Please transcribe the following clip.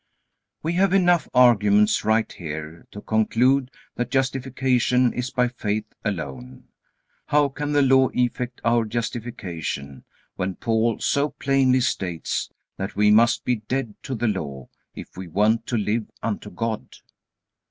We have enough arguments right here to conclude that justification is by faith alone. How can the Law effect our justification, when Paul so plainly states that we must be dead to the Law if we want to live unto God?